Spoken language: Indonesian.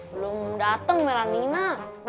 belum dateng melanina